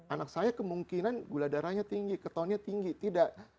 anak saya kemungkinan gula darahnya tinggi ketonnya tinggi tidak